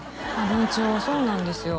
文鳥そうなんですよ